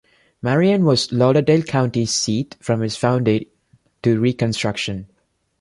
Marion was Lauderdale County's seat from its founding to Reconstruction.